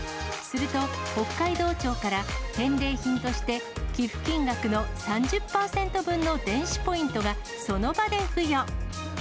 すると、北海道庁から返礼品として寄付金額の３０％分の電子ポイントがその場で付与。